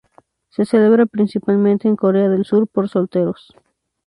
Se celebra principalmente en Corea del Sur por solteros.